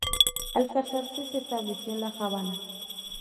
Al casarse se estableció en La Habana.